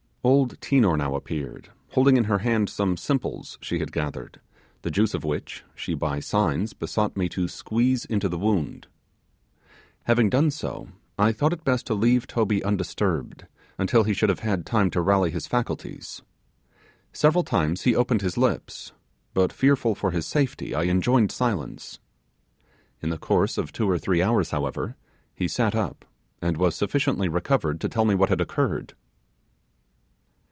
Old Tinor now appeared, holding in her hand some simples she had gathered, the juice of which she by signs besought me to squeeze into the wound. Having done so, I thought it best to leave Toby undisturbed until he should have had time to rally his faculties. Several times he opened his lips, but fearful for his safety I enjoined silence. In the course of two or three hours, however, he sat up, and was sufficiently recovered to tell me what had occurred.